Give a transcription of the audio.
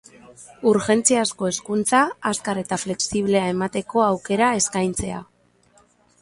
Urgentziazko hezkuntza azkar eta flexiblea emateko aukera eskaintzea.